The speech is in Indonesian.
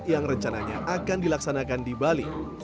yang rencananya akan dilaksanakan di bali